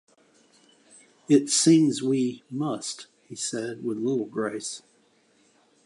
"It seems we 'must,'" he said, with little grace.